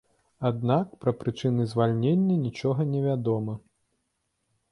Аднак, пра прычыны звальнення нічога невядома.